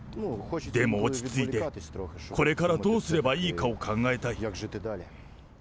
でも落ち着いて、これからどうすればいいかを考えたい。